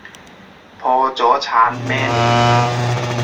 破咗產咩你？